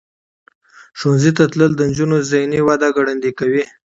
ښوونځي ته تلل د نجونو ذهنی وده ګړندۍ کوي.